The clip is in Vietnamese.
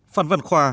phản văn khóa